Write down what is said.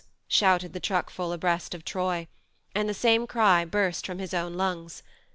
shouted the truck ful abreast of Troy, and the same cry burst from his own lungs.